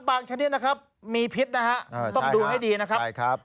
บางชนิดนะครับมีพิษนะฮะต้องดูให้ดีนะครับใช่ครับ